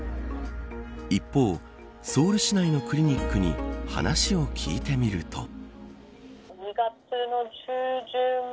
一方、ソウル市内のクリニックに話を聞いてみると。